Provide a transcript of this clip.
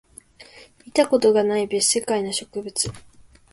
見たことがない別世界の植物